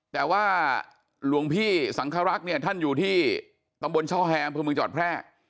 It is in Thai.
แต่ว่าหลวงพี่สังฆาตุนี้ท่านอยู่ที่ตำบลช่อแฮร์กรรพวงเมืองจาวด่ะแพร่